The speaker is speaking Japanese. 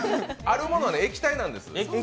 あるものの液体なんです。